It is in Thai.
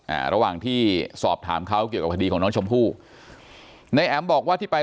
อ่าระหว่างที่สอบถามเขาเกี่ยวกับคดีของน้องชมพู่ในแอ๋มบอกว่าที่ไป